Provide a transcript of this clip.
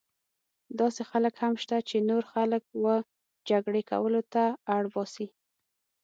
داسې خلک هم شته چې نور خلک وه جګړې کولو ته اړ باسي.